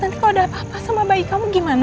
nanti kalau ada apa apa sama bayi kamu gimana